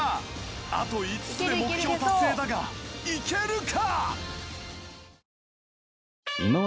あと５つで目標達成だがいけるか？